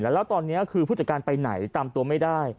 แล้วตอนนี้คือผู้จัดการไปไหนตามตัวไม่ได้